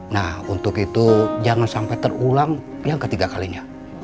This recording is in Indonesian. nah untuk itu jangan sampai terulang yang ketiga kalinya